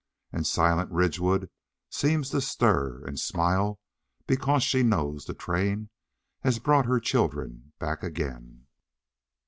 And silent Ridgewood seems to stir And smile, because she knows the train Has brought her children back again.